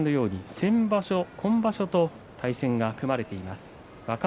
今場所と対戦が組まれています。